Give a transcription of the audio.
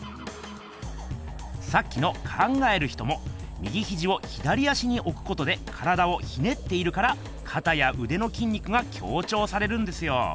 さっきの「考える人」も右ひじを左足におくことで体をひねっているからかたやうでのきん肉が強ちょうされるんですよ。